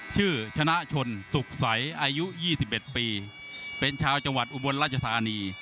ชื่อชนะชนสุขใสอายุ๒๑ปีเป็นชาวจังหวัดอุบลราชธานี